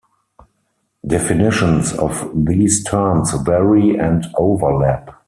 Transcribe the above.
Definitions of these terms vary and overlap.